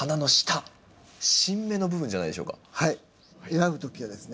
選ぶ時はですね